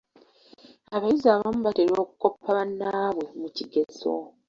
Abayizi abamu batera okukoppa bannaabwe mu kigezo.